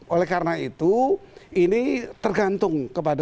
oleh karena itu ini tergantung kepada